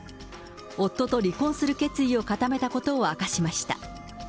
夫と離婚する決意を固めたことを明かしました。